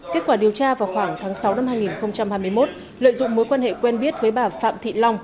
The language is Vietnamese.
kết quả điều tra vào khoảng tháng sáu năm hai nghìn hai mươi một lợi dụng mối quan hệ quen biết với bà phạm thị long